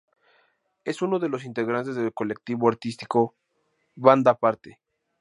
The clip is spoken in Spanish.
Es uno de los integrantes del colectivo artístico "Banda Aparte".